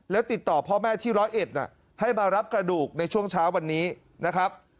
แล้วติดต่อพ่อแม่ที่ร้อยเอ็ดให้มารับกระดูกในช่วงเช้าวันนี้นะครับ